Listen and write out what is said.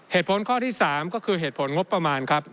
เหตุผลข้อที่๓ก็คือเหตุผลงบประมาณครับ